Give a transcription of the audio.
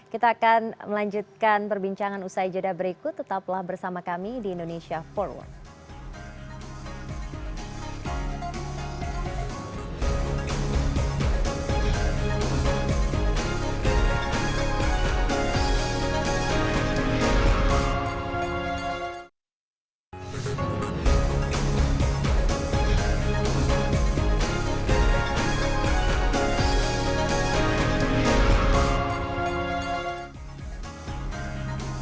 kita akan melanjutkan perbincangan usai jodha berikut tetaplah bersama kami di indonesia forward